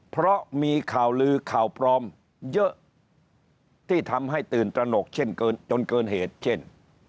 เพราะมีข่าวลือข่าวปลอมเยอะที่ทำให้ตื่นตระหนกเช่นจนเกินเหตุเช่น